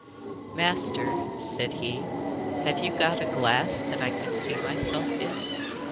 'Master,' said he, 'have you got a glass that I could see myself in?